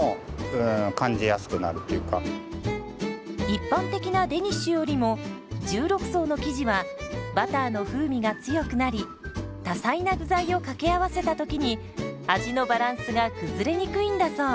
一般的なデニッシュよりも１６層の生地はバターの風味が強くなり多彩な具材を掛け合わせた時に味のバランスが崩れにくいんだそう。